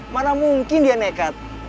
mana mungkin dia nekat